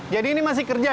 jadi ini masih kerja ya